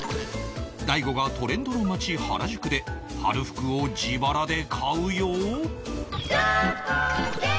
大悟がトレンドの街原宿で春服を自腹で買うよー！